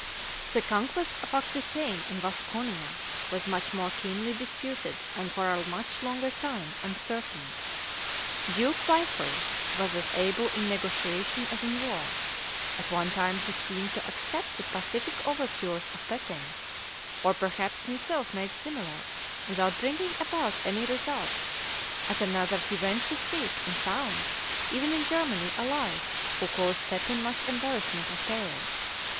The conquest of Aquitaine and Vasconia was much more keenly disputed and for a much longer time uncertain. Duke Waifre was as able in negotiation as in war: at one time he seemed to accept the pacific overtures of Pepin, or, perhaps, himself made similar, without bringing about any result, at another he went to seek and found even in Germany allies who caused Pepin much embarrassment and peril.